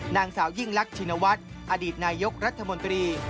นางสาวยิ่งลักชินวัฒน์อดีตนายกรัฐมนตรี